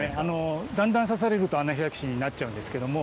だんだん刺されるとアナフィラキシーになっちゃうんですけども。